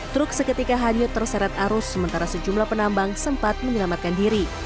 truk seketika hanyut terseret arus sementara sejumlah penambang sempat menyelamatkan diri